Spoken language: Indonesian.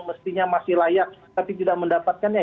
mestinya masih layak tapi tidak mendapatkannya